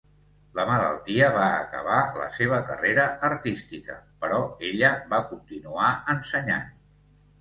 La malaltia va acabar la seva carrera artística, però ella va continuar ensenyant.